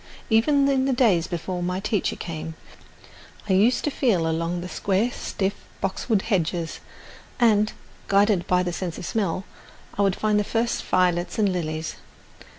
Even in the days before my teacher came, I used to feel along the square stiff boxwood hedges, and, guided by the sense of smell would find the first violets and lilies.